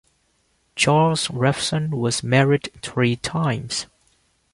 Charles Revson was married three times.